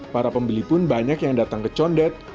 para pembeli pun banyak yang datang ke condet